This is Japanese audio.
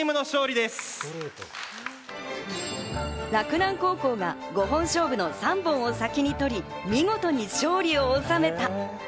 洛南高校が５本勝負の３本を先に取り、見事に勝利を収めた。